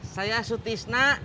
saya su tisna